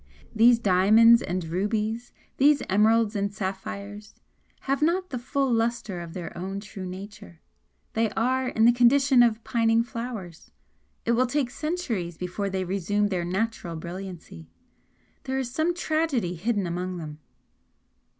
These diamonds and rubies, these emeralds and sapphires, have not the full lustre of their own true nature, they are in the condition of pining flowers. It will take centuries before they resume their natural brilliancy. There is some tragedy hidden among them."